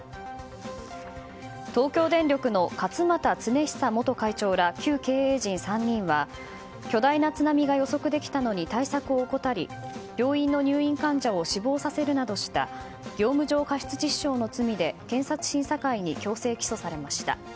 東電の勝俣恒久元会長ら旧経営陣３人は巨大な津波が予測できたのに対策を怠り病院の入院患者を死亡させるなどした業務上過失致死傷の罪で検察審査会に強制起訴されました。